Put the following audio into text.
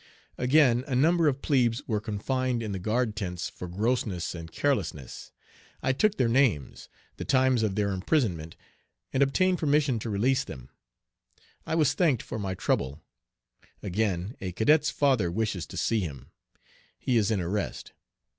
Again, a number of plebes were confined in the guard tents for grossness and carelessness. I took their names, the times of their imprisonment, and obtained permission to release them. I was thanked for my trouble. Again, a cadet's father wishes to see him. He is in arrest.